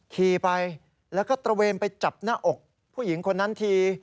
ขี่ไปแล้วก็ตระเวนไปจับหน้าอกผู้หญิงคนนั้นที